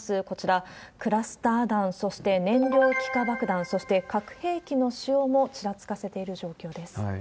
こちら、クラスター弾、そして燃料気化爆弾、そして核兵器の使用もちらつかせている状況です。